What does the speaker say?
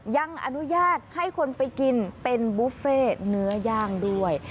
ยังอนุญาตให้คนไปกินเป็นบุฟเฟ่เนื้อย่างด้วย